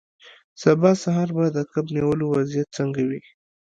سبا سهار به د کب نیولو وضعیت څنګه وي